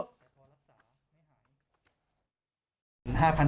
แล้วพอรักษา